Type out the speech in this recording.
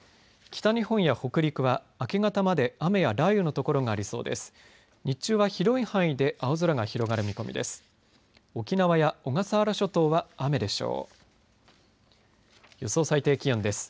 北日本や北陸は明け方まで雨や雷雨の所がありそうです。